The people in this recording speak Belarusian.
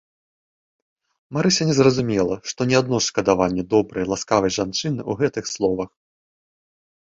Марыся не разумела, што не адно шкадаванне добрай, ласкавай жанчыны ў гэтых словах.